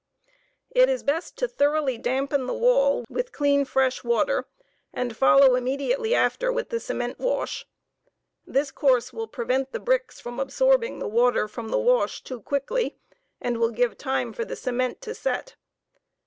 It is best to thoroughly dampen the wall with clean fresh water, and follow imme diately after with the cement wash. This course will prevent the bricks from absorb ing the water from v the wash too quickly, and will give time for the cement to set.